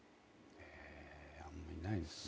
えあんまいないですね。